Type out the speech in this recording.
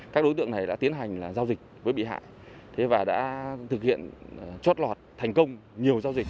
các đối tượng này đã tiến hành giao dịch với bị hại và đã thực hiện chót lọt thành công nhiều giao dịch